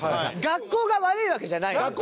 学校が悪いわけじゃないのよ。